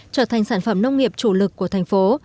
trở thành sản phẩm nông nghiệp chủ lực của thành phố